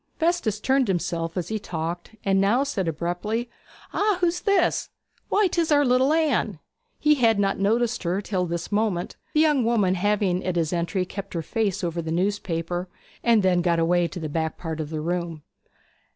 Festus turned himself as he talked, and now said abruptly: 'Ah, who's this? Why, 'tis our little Anne!' He had not noticed her till this moment, the young woman having at his entry kept her face over the newspaper, and then got away to the back part of the room.